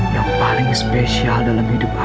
yang paling spesial dalam hidup aku aida